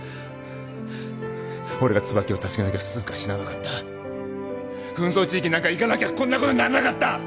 俺が椿を助けなきゃ涼香は死ななかった紛争地域になんか行かなきゃこんなことにならなかった！